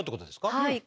はい。